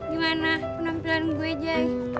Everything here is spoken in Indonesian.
gimana penampilan gua jaya